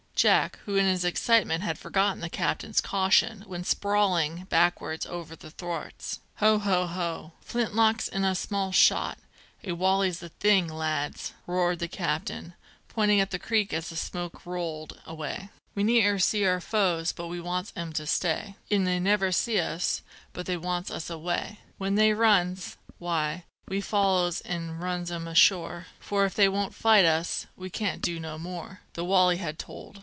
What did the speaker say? Jack, who in his excitement had forgotten the captain's caution, went sprawling backwards over the thwarts. "Ho, ho, ho! flint locks an' small shot, a wolley's the thing, lads," roared the captain, pointing up the creek as the smoke rolled, away. "We ne'er see our foes but we wants 'em to stay, An' they never see us but they wants us away; When they runs, why, we follows an' runs 'em ashore, For if they won't fight us, we can't do no more!" The "wolley" had told.